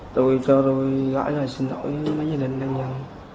tôi cho tôi gọi lời xin lỗi với mấy gia đình nhân dân